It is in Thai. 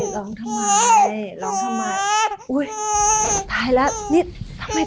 ล้อมทำไม